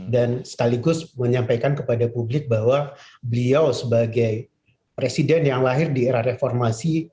dan sekaligus menyampaikan kepada publik bahwa beliau sebagai presiden yang lahir di era reformasi